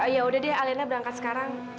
yaudah deh alena berangkat sekarang